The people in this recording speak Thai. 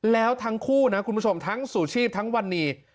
แล้วทั้งคู่นะคุณผู้ชมทั้งสู่ชีพทั้งวันนี้